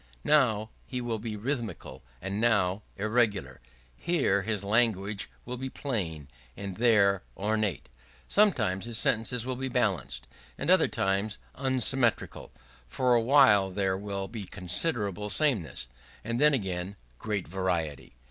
Now he will be rhythmical and now irregular; here his language will be plain and there ornate; sometimes his sentences will be balanced and at other times unsymmetrical; for a while there will be considerable sameness, and then again great variety.